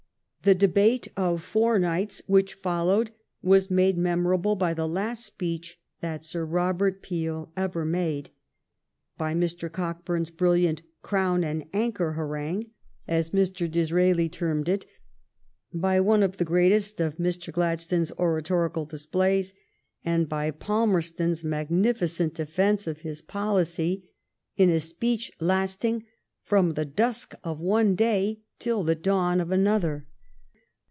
The debate of four nights which followed was made memorable by the last speech that Sir Bobert Peel ever made, by Mr. Cockbum's brilliant *' Crown and An chor^' harangue, as Mr. Disraeli termed it, by one of the greatest of Mr. Gladstone's oratorical displays, and by Palmerston's magnificent defence of his policy in a. PALMEBBTON AND THE COURT. J35 speech laBting ^' from the dusk of one day till the dawu of another."''